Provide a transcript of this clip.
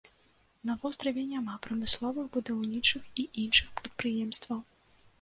На востраве няма прамысловых, будаўнічых і іншых прадпрыемстваў.